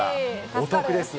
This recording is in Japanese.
お得ですが。